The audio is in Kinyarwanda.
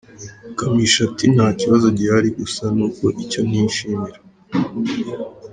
Kamichi ati Nta kibazo gihari gusa ni uko icyo ntishimira.